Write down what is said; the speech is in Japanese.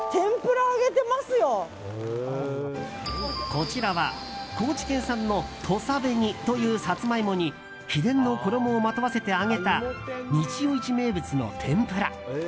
こちらは高知県産の土佐紅というサツマイモに秘伝の衣をまとわせて揚げた日曜市名物の天ぷら。